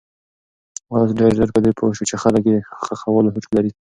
آس ډېر ژر په دې پوه شو چې خلک یې د ښخولو هوډ لري.